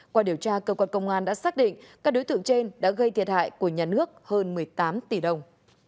qua điều tra cơ quan công an đã xác định các đối tượng trên đã gây thiệt hại của nhà nước hơn một mươi tám tỷ đồng